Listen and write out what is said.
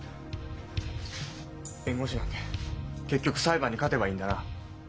弁護士なんて結局裁判に勝てばいいんだな。